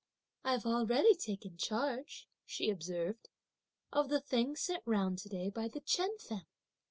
"I've already taken charge," she observed, "of the things sent round to day by the Chen family.